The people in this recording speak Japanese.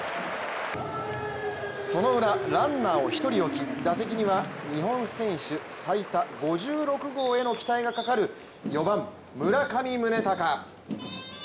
その裏、ランナーを１人置き打席には日本選手最多５６号への期待がかかる４番・村上宗隆。